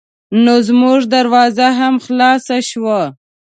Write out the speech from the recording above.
نو زمونږ دروازه هم خلاصه شوه.